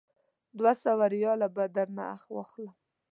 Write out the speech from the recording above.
دوه سوه ریاله به درنه واخلم.